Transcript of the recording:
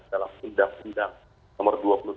dalam undang undang nomor dua puluh tiga